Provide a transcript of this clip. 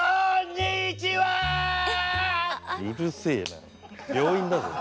うるせえな病院だぞ。